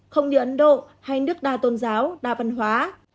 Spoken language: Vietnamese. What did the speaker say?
không như ấn độ hay nước đa tôn giáo đa văn hóa